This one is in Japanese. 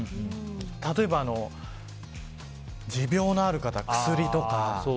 例えば、持病のある方は薬とか。